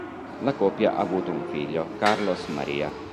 La coppia ha avuto un figlio, Carlos Maria.